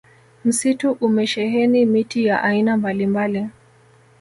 msitu umesheheni miti ya aina mbalimbali